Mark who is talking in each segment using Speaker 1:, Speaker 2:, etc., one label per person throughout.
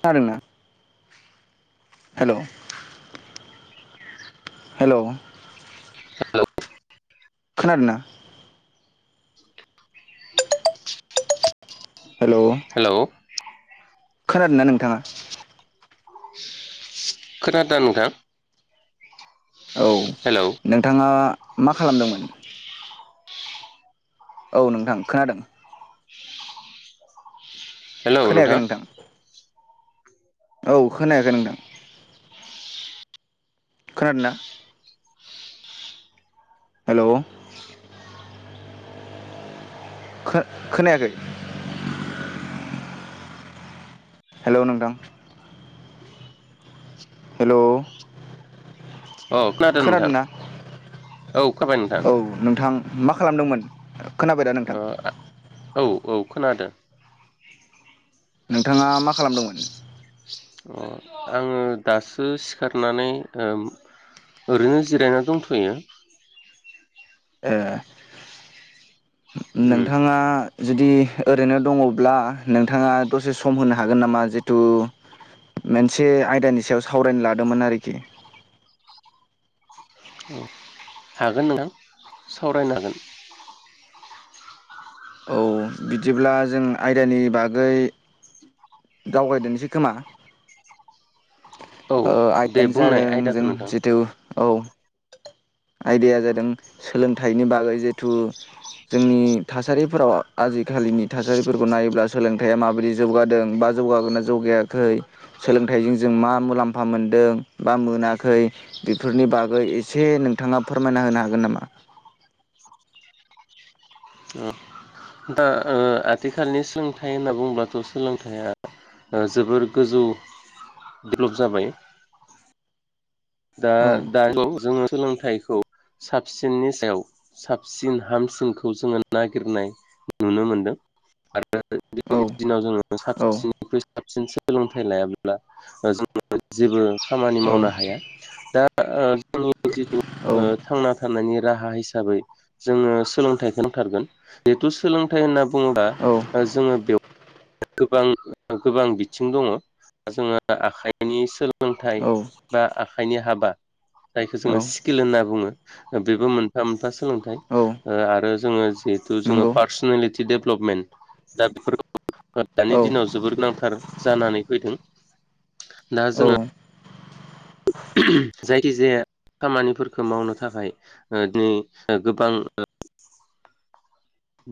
Speaker 1: खोनादोंना hello?
Speaker 2: [inaudible]
Speaker 1: Hello
Speaker 2: hello
Speaker 1: खोनादोंना?
Speaker 2: [inaudible] Hello
Speaker 1: खोनादों ना नोंथाङा?
Speaker 2: खोनादो नोंथां
Speaker 1: औ
Speaker 2: हेलौ
Speaker 1: नोंथाङा मा खालामदोंमोन? औ नोंथां खोनादों खोनायाखै नोंथां औ खोनायाखै नोंथां खोनादोना? हेल' खो-खोनायाखै हेल' नोंथां हेल'
Speaker 2: औ नोंथां
Speaker 1: खोनादों ना
Speaker 2: औ खोनाबाय नोंथां
Speaker 1: औ नोंथां मा मा खालामदोंमोन खोनाबाय दा नोंथां?
Speaker 2: ओ औ औ खोनादो
Speaker 1: नोंथाङा मा खालामदोंमोन?
Speaker 2: अ आङो दासो सिखारनानै ओ ओरैनो जिरायना दंथ'यो
Speaker 1: ए
Speaker 2: उम
Speaker 1: नो-नोंथाङा जुदि ओरैनो दङ'ब्ला नोंथाङा दसे सम होनो हागोन नामा जितु मोनसे आयदानि सायाव सावरायनो लादोंमोन आरोखि
Speaker 2: उ हागोन नोंथां सावरायनो हागोन
Speaker 1: औ बिदिब्ला जों आयदानि बागै दावगायदेरसै खोमा
Speaker 2: औ दे
Speaker 1: आइयानो
Speaker 2: बुंनाय
Speaker 1: जादों
Speaker 2: आयदाखौ
Speaker 1: जों
Speaker 2: नोंथां
Speaker 1: जिथु औ आयदाया जादों सोलोंथाइनि बागै जिहेथु जोंनि थासारि फोराव आजिखालिनि थासारिफोरखौ नायोब्ला सोलोंथाइया माबोरदि जौगादों बा जौगागोना जौगायाखै सोलोंथाइजों जों मा मुलाम्फा मोनदों बा मोनाखै बेफोरनि बागै एसे से नोंथाङा फोरमायना होनो हागोन नामा
Speaker 2: दा आथिखालनि सोलोंथाइ होनना बुंबाथ' सोलोंथाइया जोबोर गोजौ डेभेलप जाबाय दा
Speaker 1: औ
Speaker 2: द जोङो सोलोंथाइखौ साबसिननि सायाव साबसिन हामसिनखौ जोङो नागिरनाय नुनो मोनदों आरो जोंनि
Speaker 1: औ
Speaker 2: दिनाव जोङो
Speaker 1: औ
Speaker 2: साबसिननिख्रुइ साबसिन सोलोंथाइ लायाब्ला जोङ जेबो खामानि मावनो हाया दा जोंनि जिथु
Speaker 1: औ
Speaker 2: थांना थानायनि राहा हिसाबै जोङो सोलोंथाइखौ थारगोन जिहेथु सोलोंथाइ होनना बुङोब्ला
Speaker 1: औ
Speaker 2: जोङो बेव गोबां गोबां बिथिं दङ जोङो आखाइनि सोलोंथाइ
Speaker 1: औ
Speaker 2: बा आखाइनि हाबा जायखौ
Speaker 1: औ
Speaker 2: जोङो स्किल होनना बुङो बेबो मोनफा मोनफा सोलोंथाइ
Speaker 1: औ
Speaker 2: आरो जोङो
Speaker 1: नंगौ
Speaker 2: ज पारनेलि डेभेलपमेन्ट दा बे दानि
Speaker 1: औ
Speaker 2: दिनाव जोबोद गोनांथार जानानै फैदों दा जोङो
Speaker 1: औ
Speaker 2: जायथिजाया खामानिफोरखौ मावनो थाखाय दिनै गोबां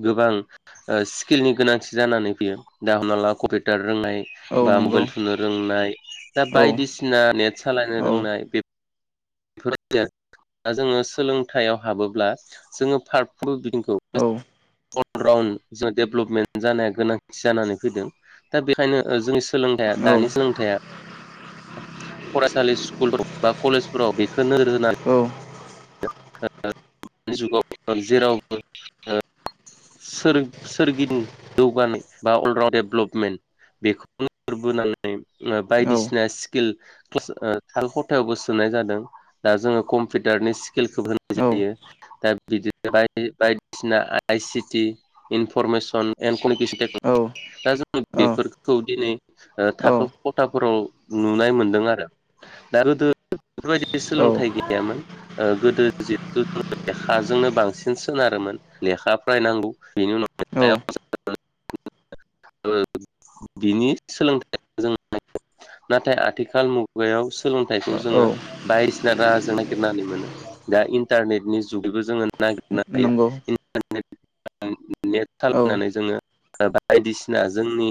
Speaker 2: गोबां स्किलनि गोनांथि जानानै फैयो दा हमना ला कम्पिउटार रोंनाय
Speaker 1: औ
Speaker 2: बा
Speaker 1: नंगौ
Speaker 2: मबाइल थुनो रोंनाय दा
Speaker 1: औ
Speaker 2: बायदिसिना नेट सालायनो
Speaker 1: औ
Speaker 2: रोंनाय बे [inaudible] द जोङो सोलोंथायाइयाव हाबोब्ला जोङो फारफ्रोमबो बिथिंखौ
Speaker 1: औ
Speaker 2: अलराउन्ड ज डेभेलपमेन्ट जानाया गोनांथि जानानै फैदों दा बेखायनो जोंनि सोलोंथाइया दानि सोलोंथाइया फरायसालि स्कुलफोराव बा कलेजफोराव बेखौ नोजोर होनानै दानि जुगाव जेरावबो सोरगिनि जौगानाय बा अलराउन्ड डेभेलपमेन्ट बेखौनो फोर बोन
Speaker 1: औ
Speaker 2: बायदिसिना स्किलाल खथायावबो सोनाय जादों। दा जोङो कम्पिउटारनि खौ होनाय जायो दा बिदि बायदिसिना आइ सिटि इनफरमे
Speaker 1: औ
Speaker 2: [unintelligible] फोराव नुनाय मोनदों आरो दा गोदो बेफोरबायदि सोलोंथाइ गैयामोन। गोदो जिहेथु जों लेखाजोंनो बांसिन सोनारोमोन लेखा फरायनांगौ बेनि उनाव
Speaker 1: औ
Speaker 2: बिनि सोलोंथाइया जों नाथाय आथिखाल मुगायाव सोलोंथाइखौ
Speaker 1: औ
Speaker 2: जोङो बायदिसिना राहाजों नागिरनानै मोनो दा इन्टारनेटनि जुगैबो जोङो नागिरनो हायो
Speaker 1: नंगौ
Speaker 2: इन्टारनेट नेट
Speaker 1: औ
Speaker 2: सालायनानै जोङो बायदिसिना जोंनि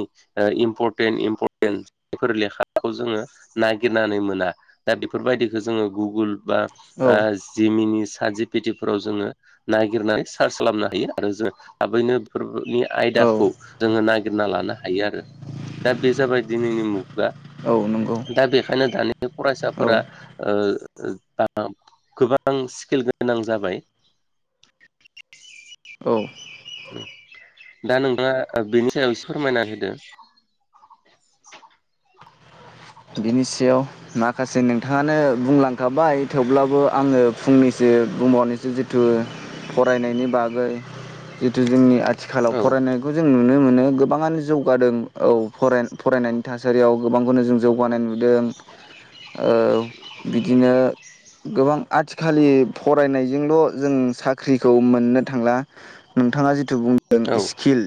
Speaker 2: इम्परटेन्ट इम्परटेन्ट जायफोर लेखाखौ जोङो नागिरनानै मोना दा बेफोरबायदिखौ जोङो गुगोल बा
Speaker 1: औ
Speaker 2: जिमिनि स जि पेथिफोराव जोङो नागिरनानै सार्च खालामनो हायो आरो जों थाबैनोफोर नि
Speaker 1: औ
Speaker 2: आयदाखौ जोङो नागिर नागिरना लानो हायो आरो दा बे जाबाय दिनैनि मुगा
Speaker 1: औ नंगौ
Speaker 2: दा बेखायनो दानि
Speaker 1: औ
Speaker 2: फरायसाफोरा गोबां स्किल गोनां जाबाय
Speaker 1: औ
Speaker 2: दा नोंथाङा बेनि सायाव एसे फोरमायना होदो।
Speaker 1: बिनि सायाव माखासे नोंथाङानो बुंलांखाबाय थेवब्लाबो आङो फुंनिसो बुंबावनोसो जिथु फरायनायनि बागै जिथु जोंनि आथिखालाव
Speaker 2: औ
Speaker 1: फरायनायखौ जों नुनो मोनो गोबाङानो जौगादों औ फराय - फरायनायनि थासारियाव गोबांखौनो जों जौ गानाय नुदों। ओ बिदिनो गोबां आथिखालि फरायनाय बेजोंल' जों साख्रिखौ मोननो थांला नोंथाङा जिथु बुंदों
Speaker 2: औ
Speaker 1: स्किल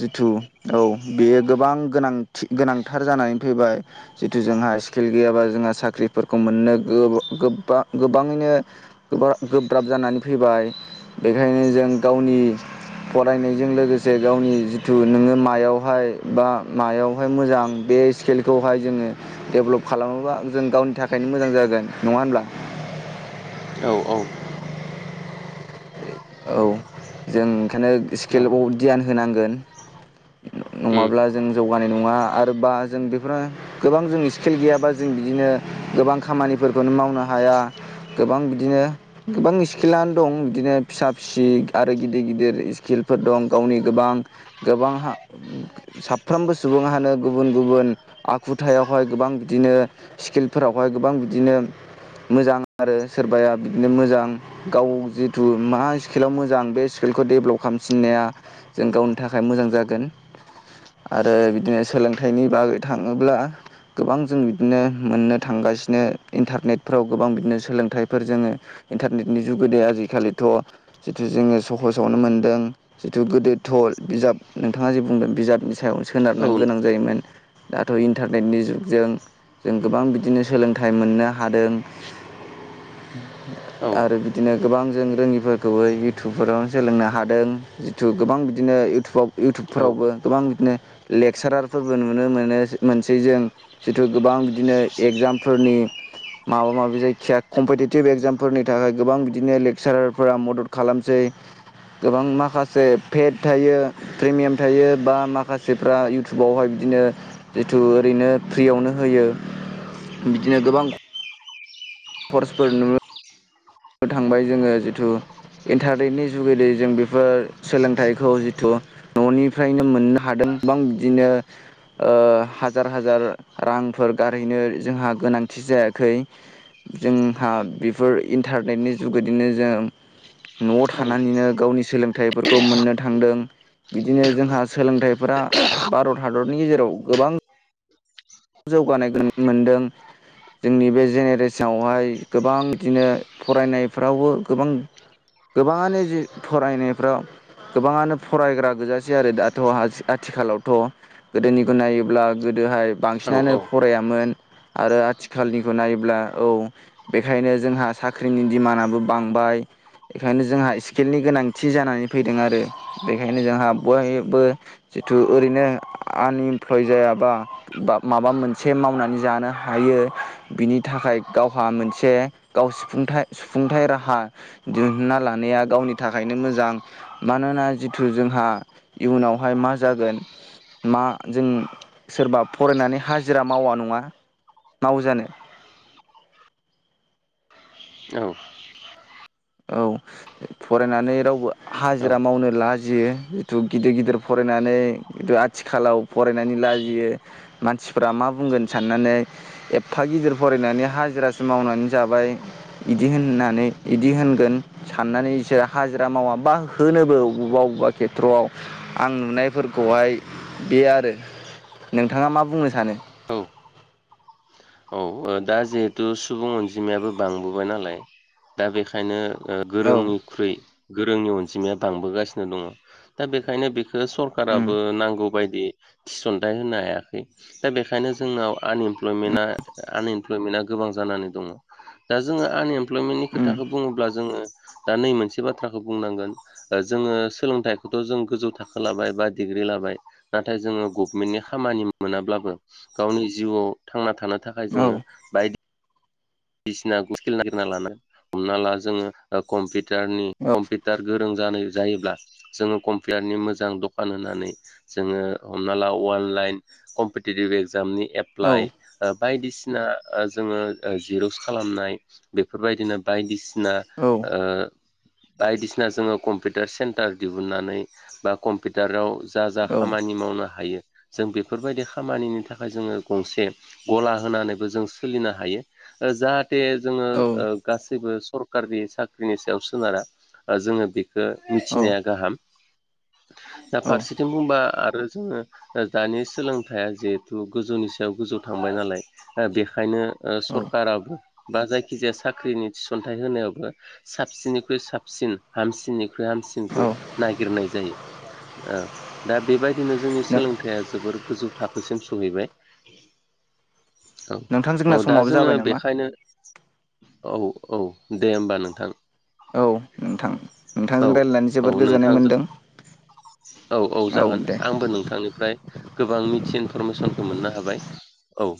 Speaker 1: जिथु औ बेयो गोबां गोनांथि गोनांथार जानानै फैबाय। जिथु जोंहा स्किल गैयाबा जोंहा साख्रिफोरखौ मोननो गोब गोबा गोबाङैनो गोब्रा - गोब्राब जानानै फैबाय बेखायनो जों गावनि फरायनायजों लोगोसे गावनि जिथु नोङो मायावहाय बा मायावहाय मोजां बे बे स्केलखौ हाय जोङो देभलप खालामोबा जों गावनि थाखायनो मोजां जागोन नङा होनब्ला?
Speaker 2: औ औ।
Speaker 1: औ जों ओंखायनो
Speaker 2: औ
Speaker 1: स्केलाखौ धियान होनांगोन
Speaker 2: उम
Speaker 1: नङाब्ला जों जौगानाय नङा आद बा जों बेफोरा गोबां जों स्किल गैयाबा जों बिदिनो गोबां खामानिफोरखौनो मावनो हाया। दा गोबां बिदिनो गोबां स्किलानो दं बिदिनो फिसा - फिसि आरो गिदिर - गिदिर स्किल। फोर दं गावनि गोबां गोबां हा साफ्रोमबो सुबुंहानो गुबुन- गुबुन आखुथायावहाय गोबां बिदिनो स्किलफोरावहाय गोबां बिदिनो मोजां आरो सोरबाया बिदिनो मोजां गाव जिथु मा स्केलाव मोजां बे स्केल खौ डेभलप खालामफिननाया जों गावनि थाखाय मोजां जागोन आरो बिदिनो सोलोंथाइनि बागै थाङोब्ला गोबां जों बिदिनो मोननो थांगासिनो इन्टारनेटफ्राव गोबां बिदिनो सोलोंथाइफोर जोङो इन्टारनेटनि जुगोदे आजिखालिथ' जिथु जोङो सहसावनो मोनदों जिथु गोदोथ' अल बिजाब नोंथाङा जे बुंदों बिजाबनि सायावनो सोनारनो
Speaker 2: औ
Speaker 1: गोनां जायोमोन। दाथ' इन्टारनेटनि जुगजों जों गोबां बिदिनो सोलोंथाइ मोननो हादों।
Speaker 2: औ
Speaker 1: आरो बिदिनो। गोबां जों रोङिफोरखौबो इयउटुबफोरावनो सोलोंनो हादों जिथु गोबां बिदिनो इयउटुबाव
Speaker 2: औ
Speaker 1: इउटुबफोरावबो गोबां बिदिनो लेक्सारार फोरबो नुनो मोनो मोनसै जों जिथु गोबां बिदिनो एगजामफोर नि माबा माबि जायखिया कम्पिटिटिभ एगजामफोरनि थाखाय गोबां बिदिनो लेक्सारार फोरा मदद खालामसै। गोबां माखासे फेट थायो। प्रिमियाम थायो बा माखासेफ्रा इउटुबावहाय बिदिनो जिथु ओरैनो फ्रियावनो होयो बिदिनो गोबां फर्सफोर नुनो थांबाय जोङो जिथु इन्टारनेटनि जुगेदै जों बेफोर सोलोंथाइखौ जिथु न'निफ्रायनो मोननो हादों। गोबां बिदिनो ओ हाजार-हाजार रांफोर गारहैनो जोंहा गोनां थि जायाखै जोंहा बेफोर इन न्टारनेटनि जुगेदिनो जों न'आव
Speaker 2: औ
Speaker 1: थानानैनो गावनिस सोलोंथाइफोरखौ मोननो थांदों। बिदिनो जोंहा सोलोंथाइफोरा भारत हादरनि गेजेराव गोबां जौगानाय गोन मोनदों। जोंनि बे जेनेरेसनावहाय गोबां बिदिनो फरायनायफ्रावबो गोबां गोबाङानो जि फरायनायफ्राव गोबाङानो फरायग्रा गोजाासै आरो दाथ' आथिखालावथ' गोदोनिखौ नायोब्ला गोदो हाय
Speaker 2: औ
Speaker 1: बांसिनानो फरायामोन। आरो आथिखालनिखौ नायोब्ला औ बेखायनो जोंहा साख्रिनि दिडिमान्डआबो बांबाय। बेखायनो जोंहा स्किलनि गोनांथि जानानै फैदों आरो बेखायनो जोंहा बयबो जिथु ओरैनो आनइमप्लय जायाबा बा माबा मोनसे मावनानै जानो हायो बिनि थाखाय गावहा मोनसे गाव थाय सुफुंथाइ राहा दिहुनना लानाया गावनि थाखायनो मोजां मानोना जिथु जोंहा इयुनावहाय मा जागोन मा जों सोरबा फरायनानै हाजिरा मावा नङा मावोजानो?
Speaker 2: औ
Speaker 1: औ फरायनानै रावबो हाजिरा मावनो लाजियो जिथु गिदिर गिदिर फराय फरायनानै खिथु आथिखालाव फरायनानै लाजियो मानसिफ्रा मा बुंगोन साननानै एफा गिदिर फरायनानै हाजिरासो मावनानै जाबाय बिदि होननानै बिदि होनगोन साननानै बिसोरो हाजिरा मावा बा होनोबो बबेबा बबेबा खेथ्रआव आं नुनायफोरखौहाय बे आरो नोंथाङा मा बुंनो सानो?
Speaker 2: औ दा जिहेथु सुबुं अनजिमायाबो बांबोबाय नालाय दा बेखायनो ओ
Speaker 1: औ
Speaker 2: गोरोंनिख्रुइ गोरोंनि अनजिमाया बांबोगासिनो दङ दा बेनिखायनो बे
Speaker 1: उम
Speaker 2: सरखाराबो नांगौ बायदि थिसनथायाइ होनो हायाखै दा बेखायनो जोंनाव आनइमप्लयमेन्टआ आनइमप्लयमेन्टआ गोबां जानानै दङ। दा जोङो आनइमप्लयमेन्टनि
Speaker 1: उम
Speaker 2: खोथाखौ बुङोब्ला जोङो दा नै मोनसे बाथ्राखौ बुंनांगोन। जोङो सोलोंथाइखौथ' जों गोजौ थाखो लाबाय बा डिग्रि लाबाय नाथाय जोङो गभनमेन्टनि खामानि मोनाब्लाबो गावनि जिउआव थांना थानो थाखाय
Speaker 1: औ
Speaker 2: जोङो बायदि दिसिनाखौ [unintelligible] नागिरना लानो हमना ला जोङो कम्पिट टारनि
Speaker 1: औ
Speaker 2: कम्पिउटार गोरों जानो जायोब्ला जोङो कम्पिउटारनि मोजां दखान होनानै जोङो हमना ला अनलाइन कम्पिटिटिभ एग्जामनि
Speaker 1: औ
Speaker 2: एप्लाइ बायदिसिना जोङो ओ जिरस खालामनाय बेफोरबायदिनो बायदिसिना
Speaker 1: औ
Speaker 2: ओ बायदिसिना जोङो कम्पिउटार सेन्टार दिहुननानै बा कम्पिउटाराव जा जा
Speaker 1: औ
Speaker 2: खामानि मावनो हायो जों बेफोरबायदि खामानिनि थाखाय जोङो गंसे गला होनानैबो जों सोलिनो हायो। जाहाथे जोंङो गासैबो सरकारि साख्रिनि सायाव सोनारा जोंङो बेखौ
Speaker 1: औ
Speaker 2: मिथिनाया गाहाम दा फारसेथिं बुंबा आरो जोंङो दानि सोलोंथाइया जिहेथु गोजौनि सायाव गोजौ थांबाय नालाय बे ओंखायनो ओ
Speaker 1: औ
Speaker 2: सरकाराबो बा जायखिजाया साख्रिनि थिसनथाइ होनायावबो साबसिननिख्रुइ साबसिन हामसिननिख्रुइ हामसिनखौ
Speaker 1: औ
Speaker 2: नागिरनाय जायो। ओ दा बेबायदिनो जोंनि
Speaker 1: नो
Speaker 2: सोलोंथाइया जोबोर गोजौ थाखोसिम सहैबाय
Speaker 1: [inaudible]
Speaker 2: औ
Speaker 1: नोंथां
Speaker 2: औ
Speaker 1: जोंना
Speaker 2: दा
Speaker 1: समाबो
Speaker 2: जोंङो
Speaker 1: जाबाय नामा
Speaker 2: बेखायनो औ औ दे होमबा नोंथां।
Speaker 1: औ नोंथां
Speaker 2: औ
Speaker 1: नोंथांजों रायज्लायनानै जोबोद
Speaker 2: औ
Speaker 1: गोजोननाय
Speaker 2: नोंथांजों
Speaker 1: मोन्दों।
Speaker 2: औ औ जागोन आंबो नों नोंथांनिफ्राय गोबां मिथि इनफरमेसनखौ मोननो हाबाय औ